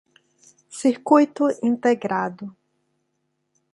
Circuito integrado